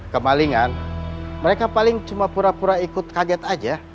kemalingan mereka paling cuma pura pura ikut kaget aja